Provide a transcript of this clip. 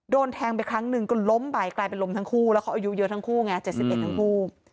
โดนแทงไปครั้งหนึ่งก็ล้มไปกลายเป็นล้มทั้งคู่แล้วเขาอายุเยอะทั้งคู่ไง๗๑ทั้งคู่